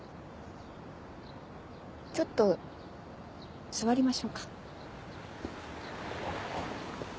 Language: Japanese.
ちょっと座りましょうか。